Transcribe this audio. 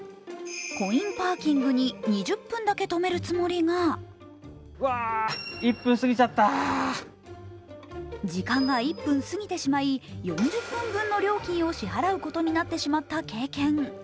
コインパーキングに２０分だけ止めるつもりが時間が１分過ぎてしまい４０分分の料金を支払うことになってしまった経験。